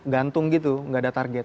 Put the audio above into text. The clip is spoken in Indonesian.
gantung gitu gak ada target